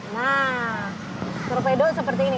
nah torpedo seperti ini